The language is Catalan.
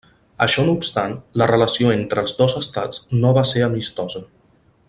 Això no obstant, la relació entre els dos estats no va ser amistosa.